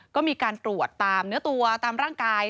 ก็มีการตรวจตามเนื้อตัวตามร่างกาย